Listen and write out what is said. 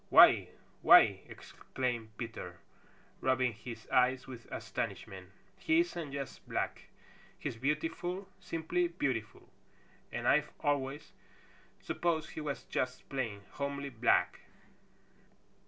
"Why! Why ee!" exclaimed Peter, rubbing his eyes with astonishment. "He isn't just black! He's beautiful, simply beautiful, and I've always supposed he was just plain, homely black."